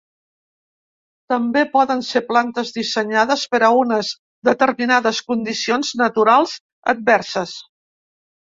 També poden ser plantes dissenyades per a unes determinades condicions naturals adverses.